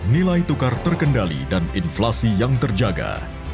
nilai tukar terkendali dan inflasi yang terjaga